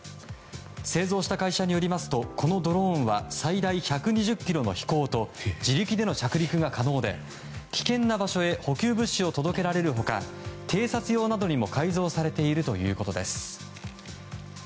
製造した会社によりますとこのドローンは最大１２０ｋｍの飛行と自力での着陸が可能で危険な場所へ補給物資を届けられる他偵察用などにも改造されているということです。